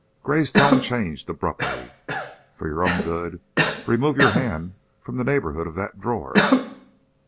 Gray's tone changed abruptly. "For your own good remove your hand from the neighborhood of that drawer.